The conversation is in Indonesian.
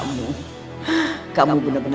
menyekatenakan rakyat karena dia